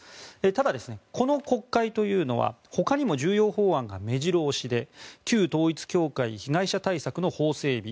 ただ、この国会というのはほかにも重要法案が目白押しで旧統一教会被害者対策の法整備